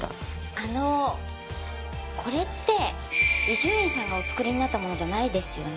あのこれって伊集院さんがお作りになったものじゃないですよね？